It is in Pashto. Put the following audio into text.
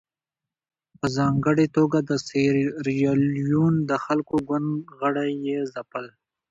په ځانګړې توګه د سیریلیون د خلکو ګوند غړي یې ځپل.